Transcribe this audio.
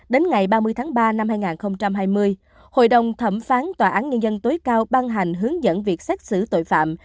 đến ngày ba mươi tháng ba năm hai nghìn hai mươi hội đồng thẩm phán tòa án nhân dân tối cao ban hành hướng dẫn việc xét xử tội phạm